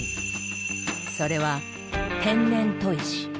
それは天然砥石。